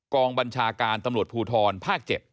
กองบัญชาการตำรวจภูทรภาค๗